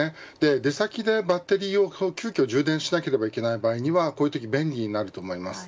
出先でバッテリーを急遽充電しなければいけない場合にはこういうとき便利になると思います。